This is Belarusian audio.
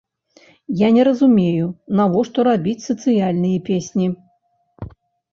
Я не разумею, навошта рабіць сацыяльныя песні!